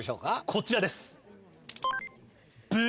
こちらです。